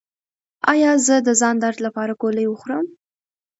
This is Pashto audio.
ایا زه د ځان درد لپاره ګولۍ وخورم؟